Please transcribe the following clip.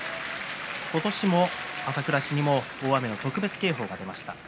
今年も朝倉市にも大雨の特別警報が出ました。